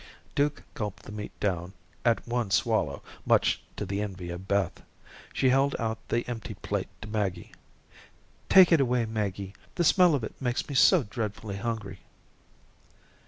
Duke gulped the meat down at one swallow much to the envy of Beth. She held out the empty plate to Maggie. "Take it away, Maggie. The smell of it makes me so dreadfully hungry."